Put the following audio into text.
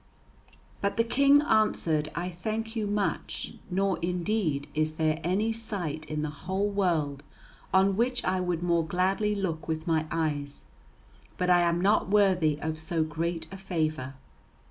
But the King answered, "I thank you much, nor, indeed, is there any sight in the whole world on which I would more gladly look with my eyes, but I am not worthy of so great a favour.